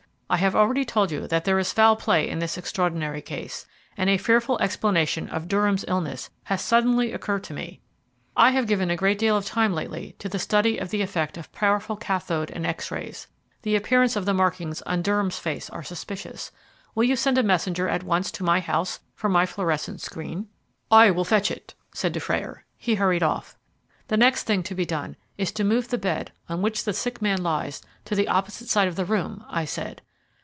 I have already told you that there is foul play in this extraordinary case, and a fearful explanation of Durham's illness has suddenly occurred to me. I have given a great deal of time lately to the study of the effect of powerful cathode and X rays. The appearance of the markings on Durham's face are suspicious. Will you send a messenger at once to my house for my fluorescent screen?" "I will fetch it," said Dufrayer. He hurried off. "The next thing to be done is to move the bed on which the sick man lies to the opposite side of the room," I said.